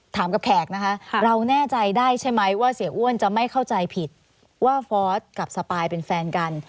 ถามกับแขกนะคะเราแน่ใจได้ใช่ไหมว่าเสียอ้วนจะไม่เข้าใจผิดว่าฟอร์สกับสปายเป็นแฟนกัน